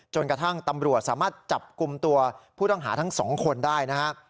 จนกระทั่งตำรวจสามารถจับกลุ่มตัวผู้ต้องหาทั้งสองคนได้นะฮะ